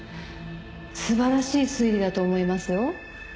素晴らしい推理だと思いますよ？